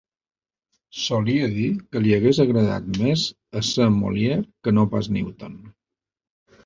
Solia dir que li hagués agradat més ésser Molière que no pas Newton.